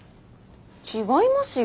違いますよ。